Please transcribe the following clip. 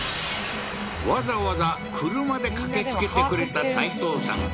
わざわざ車で駆けつけてくれた齋藤さん